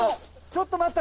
ちょっと待った！